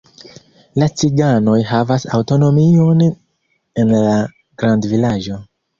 La ciganoj havas aŭtonomion en la grandvilaĝo.